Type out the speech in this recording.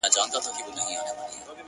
له کوم زکاته به موږ خېټه د مُلا ډکوو -